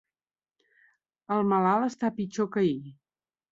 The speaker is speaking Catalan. El malalt està pitjor que ahir.